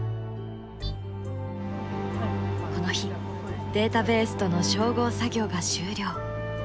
この日データベースとの照合作業が終了。